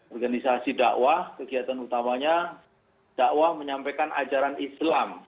organisasi dakwah kegiatan utamanya dakwah menyampaikan ajaran islam